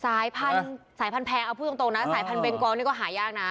สายพันธุ์สายพันธุ์แพงเอาผู้จงตรงนะสายพันธุ์เวงกองนี่ก็หายากนะ